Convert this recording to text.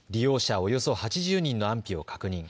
およそ８０人の安否を確認。